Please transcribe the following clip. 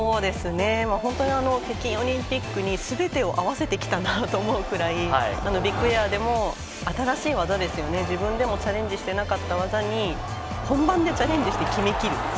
本当に北京オリンピックにすべてを合わせてきたなと思うくらいビッグエアでも新しい技自分でもチャレンジしていなかった技に本番でチャレンジして決めきる。